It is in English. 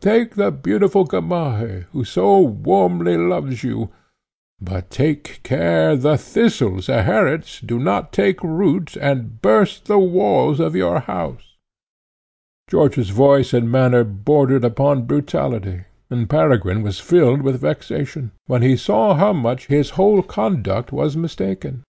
Take the beautiful Gamaheh, who so warmly loves you; but take care the Thistle, Zeherit, do not take root, and burst the walls of your house." George's voice and manner bordered upon brutality; and Peregrine was filled with vexation, when he saw how much his whole conduct was mistaken.